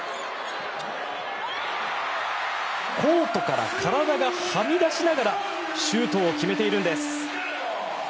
コートから体がはみ出しながらシュートを決めているんです。